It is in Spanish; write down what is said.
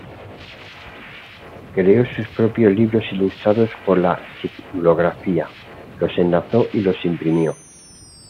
Creó sus propios libros ilustrados por la xilografía, los enlazó y los imprimió.